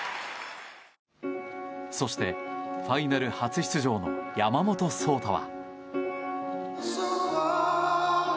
そして、ファイナル初出場の山本草太は。